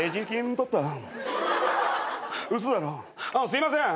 すいません。